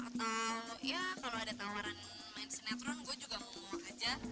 atau ya kalau ada tawaran main sinetron gue juga mau bawa aja